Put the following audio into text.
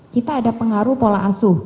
kita ada pengaruh pola asuh